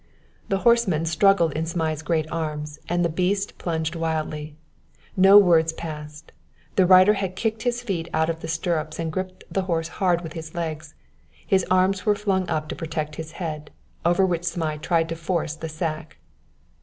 The horseman struggled in Zmai's great arms, and his beast plunged wildly. No words passed. The rider had kicked his feet out of the stirrups and gripped the horse hard with his legs. His arms were flung up to protect his head, over which Zmai tried to force the sack.